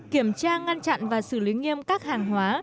kiểm tra ngăn chặn và xử lý nghiêm các hàng hóa